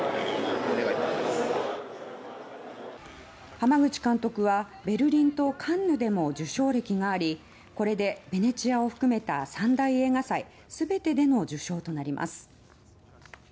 濱口監督は、ベルリンとカンヌでも受賞歴がありこれでベネチアを含めた三大映画祭すべてでの受賞となります。